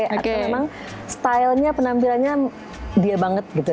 atau memang stylenya penampilannya dia banget gitu